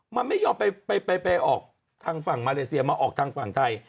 มันไม่ยอมไปออกทางฝั่งมาเลเซียมาออกทางฝั่งไทย